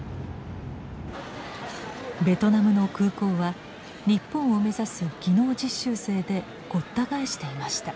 ベトナムの空港は日本を目指す技能実習生でごった返していました。